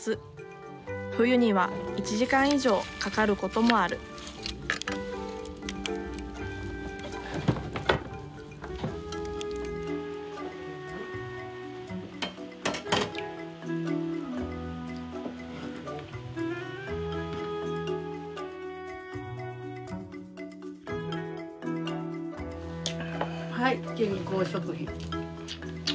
冬には１時間以上かかることもあるはい健康食品。